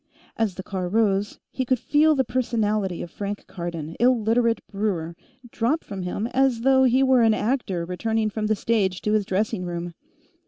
As the car rose, he could feel the personality of Frank Cardon, Illiterate brewer, drop from him, as though he were an actor returning from the stage to his dressing room.